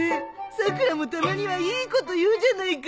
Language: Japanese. さくらもたまにはいいこと言うじゃないか。